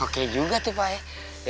oke juga tuh pak ya